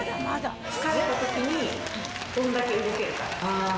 疲れたときにどんだけ動けるか。